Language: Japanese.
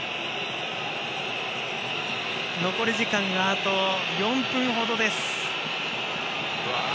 残り時間、４分ほどです。